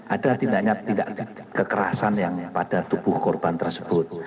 ada tindaknya tindak kekerasan yang pada tubuh korban tersebut